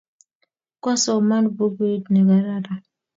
Kwasoman pukuit ne kararan